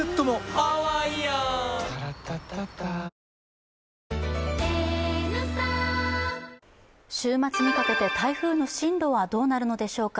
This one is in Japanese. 明治おいしい牛乳週末にかけて台風の進路はどうなるのでしょうか。